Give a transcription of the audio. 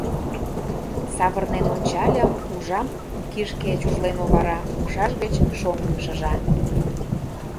Савырнен ончальым, ужам — кишке чужлен овара, умшаж гыч шоҥ шыжа...